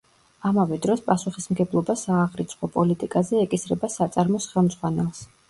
ამავე დროს პასუხისმგებლობა სააღრიცხვო პოლიტიკაზე ეკისრება საწარმოს ხელმძღვანელს.